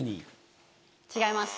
違います。